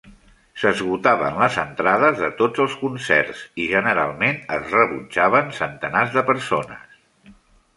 S'esgotaven les entrades de tots els concerts, i generalment es rebutjaven centenars de persones.